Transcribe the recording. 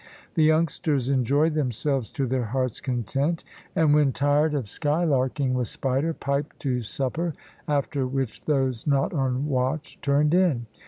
The youngsters enjoyed themselves to their hearts' content, and when tired of skylarking with Spider, piped to supper, after which those not on watch turned in.